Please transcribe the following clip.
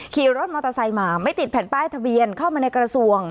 ขี่รถมอเตอร์ไซค์มาไม่ติดแผ่นป้ายทะเบียนเข้ามาในกระทรวง